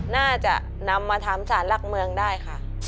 น่าจะนำมาทำสารหลักเมืองได้ค่ะ